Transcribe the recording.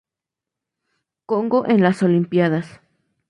Congo en las Olimpíadas